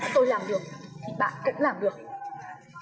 tôi làm được thì bạn cũng làm được